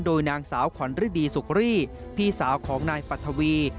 โดยนางสาวขวัญฤดีสุกรีพี่สาวของนายปัทวี